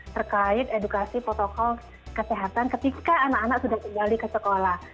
terkait edukasi protokol kesehatan ketika anak anak sudah kembali ke sekolah